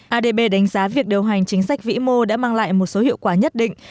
adb đánh giá việc điều hành chính sách vĩ mô đã mang lại một số hiệu quả nhất định